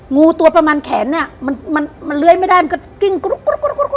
งูตัวประมาณแขนเนี่ยมันเลื้อยไม่ได้มันก็กิ้งกรุ๊ก